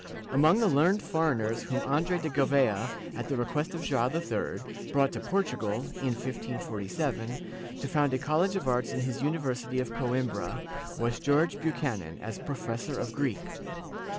Among the learned foreigners whom Andre de Gou v^a, at the request of Joao III, brought to Portugal, in 1547, to found a college of arts in his University of Coimbra, was George Buchanan, as professor of Greek.